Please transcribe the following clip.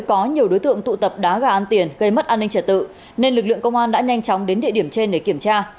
có nhiều đối tượng tụ tập đá gà ăn tiền gây mất an ninh trả tự nên lực lượng công an đã nhanh chóng đến địa điểm trên để kiểm tra